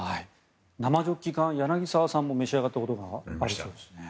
生ジョッキ缶柳澤さんも召し上がったことがあるそうですね。